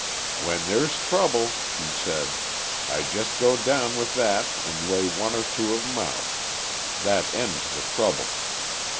"When there's trouble," he said, "I just go down with that and lay one or two of 'em out. That ends the trouble.